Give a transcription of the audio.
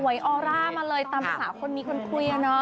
ออร่ามาเลยตามภาษาคนมีคนคุย